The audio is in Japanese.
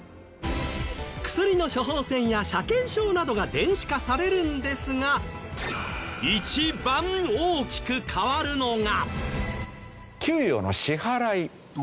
薬の処方箋や車検証などが電子化されるんですが一番大きく変わるのが。